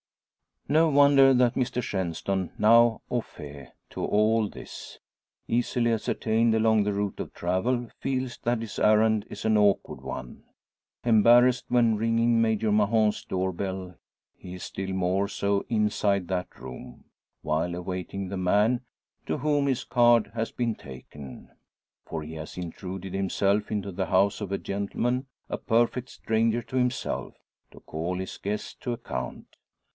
No wonder that Mr Shenstone, now au fait to all this easily ascertained along the route of travel feels that his errand is an awkward one. Embarrassed when ringing Major Mahon's door bell, he is still more so inside that room, while awaiting the man to whom his card has been taken. For he has intruded himself into the house of a gentleman a perfect stranger to himself to call his guest to account!